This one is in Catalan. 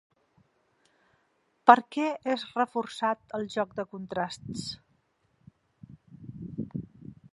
Per què és reforçat el joc de contrasts?